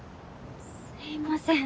すみません